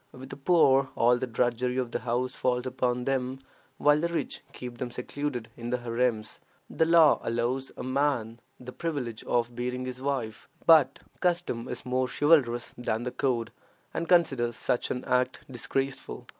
With the poor all the drudgery of the house falls upon them, while the rich keep them secluded in the harems. The law allows a man the privilege of beating his wife, but custom is more chivalrous than the code, and considers such an act disgraceful.